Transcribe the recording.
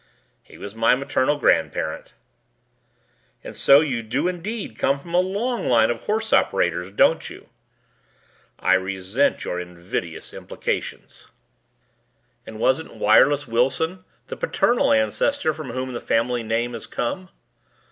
"He was my maternal grandparent." "And so you do indeed come from a long line of horse operators, don't you?" "I resent your invidious implications." "And wasn't 'Wireless' Wilson the paternal ancestor from whom the family name has come?"